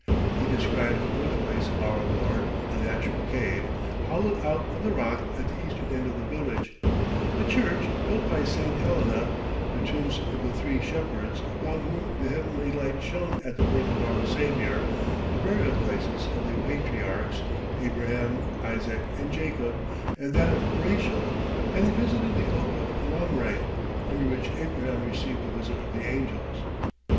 He describes the birthplace of our Lord, a natural cave, hollowed out of the rock at the eastern end of the village, the church, built by St. Helena, the tombs of the three shepherds, upon whom the heavenly light shone at the birth of our Saviour, the burial places of the patriarchs, Abraham, Isaac, and Jacob, and that of Rachel, and he visited the oak of Mamre, under which Abraham received the visit of the angels.